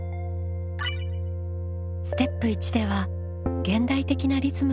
ステップ１では現代的なリズムのダンスを「する」